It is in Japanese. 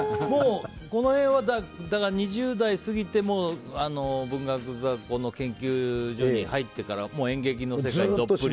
２０代過ぎても文学座の研究所に入ってから演劇の世界にどっぷりと。